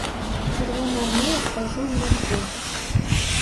Чырвонаармеец пайшоў к дамку.